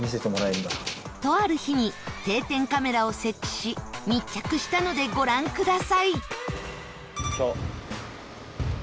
とある日に定点カメラを設置し密着したのでご覧ください